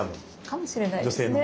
かもしれないですね。